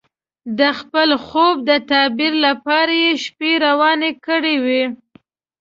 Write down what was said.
د خپل خوب د تعبیر لپاره یې شپې روڼې کړې وې.